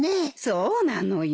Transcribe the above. そうなのよ。